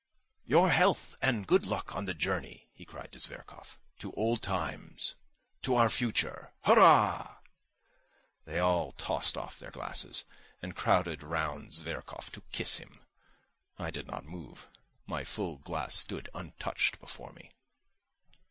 "Your health and good luck on the journey!" he cried to Zverkov. "To old times, to our future, hurrah!" They all tossed off their glasses, and crowded round Zverkov to kiss him. I did not move; my full glass stood untouched before me.